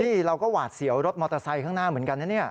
นี่เราก็หวาดเสียวรถมอเตอร์ไซค์ข้างหน้าเหมือนกันนะเนี่ย